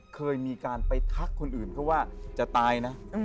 เคยมีการไปทักคนอื่นเขาว่าจะตายนะ